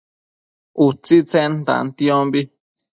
utsitsen tantiombi